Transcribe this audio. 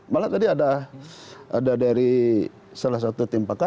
malah tadi ada dari salah satu tim pakar